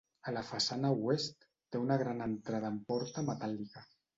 A la façana oest, té una gran entrada amb porta metàl·lica.